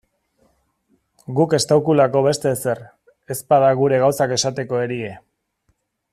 Guk estaukulako beste ezer, ezpada gure gauzek esateko erie.